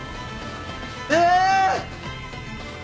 え！